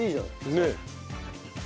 ねえ。